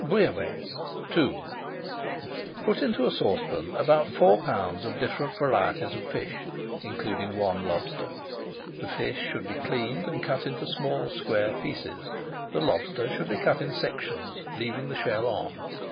BOUILLABAISSE II Put into a saucepan about four pounds of different varieties of fish, including one lobster. The fish should be cleaned and cut into small square pieces; the lobster should be cut in sections, leaving the shell on.